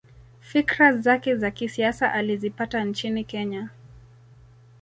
Fikra zake za kisiasa alizipata nchini Kenya